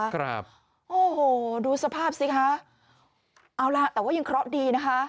ครับโอ้โหดูสภาพสิคะเอาล่ะแต่ว่ายังเคราะห์ดีนะคะ